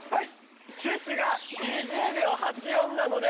シュッシュが２０秒８４なので。